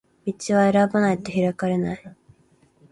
道は選ばないと開かれない